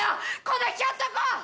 このひょっとこ！